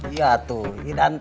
iya tuh idan ta